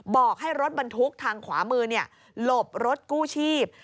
บอกให้รถบรรทุกทางขวามือหลบรถกู้ชีพ